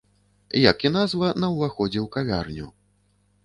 Як і назва на ўваходзе ў кавярню.